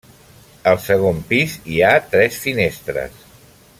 Al segon pis hi ha tres finestres.